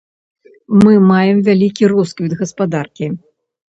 Мы маем вялікі росквіт гаспадаркі.